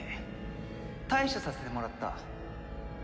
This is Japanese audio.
対処させてもらった。